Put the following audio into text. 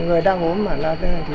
người đang ốm mà là